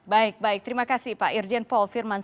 baik baik terima kasih pak irjen paul firman